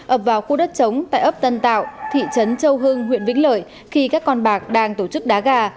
ập vào khu đất chống tại ấp tân tạo thị trấn châu hưng huyện vĩnh lợi khi các con bạc đang tổ chức đá gà